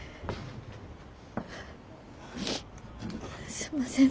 すんません